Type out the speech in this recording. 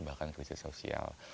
bahkan krisis sosial